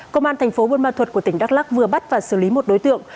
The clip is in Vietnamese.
công an thành phố buôn ma thuật của tỉnh đắk lắc vừa bắt và xử lý một đối tượng